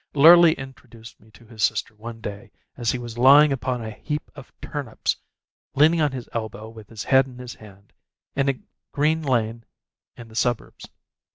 Lurly introduced me to his sister one day, as he was lying upon a heap of turnips, leaning on his elbow with his head in his hand, in a green lane in the suburbs.